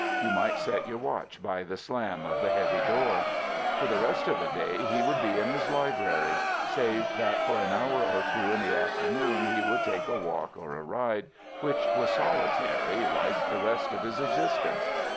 You might set your watch by the slam of the heavy door. For the rest of the day he would be in his library—save that for an hour or two in the afternoon he would take a walk or a ride, which was solitary like the rest of his existence.